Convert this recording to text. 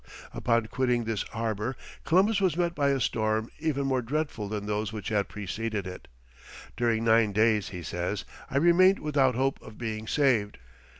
Upon quitting this harbour Columbus was met by a storm even more dreadful than those which had preceded it: "During nine days," he says, "I remained without hope of being saved.